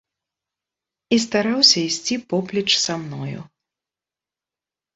І стараўся ісці поплеч са мною.